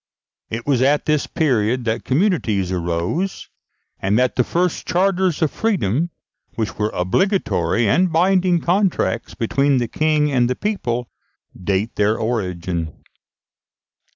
It was at this period that communities arose, and that the first charters of freedom which were obligatory and binding contracts between the King and the people, date their origin.